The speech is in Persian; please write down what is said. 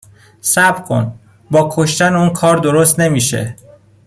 صبر کن ، با کشتن اون کار درست نمیشه